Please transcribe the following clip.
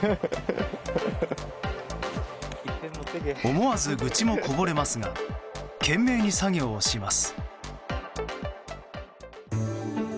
思わず愚痴もこぼれますが懸命に作業をします。